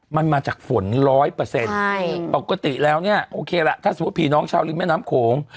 มันมาจากฝนร้อยเปอร์เซ็นต์ปกติแล้วเนี่ยโอเคล่ะถ้าสมมุติผีน้องชาวริมแม่น้ำโขง